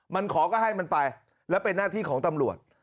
มันขอก็ให้มันไปแล้วเป็นหน้าที่ของตำรวจ